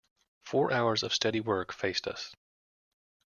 Four hours of steady work faced us.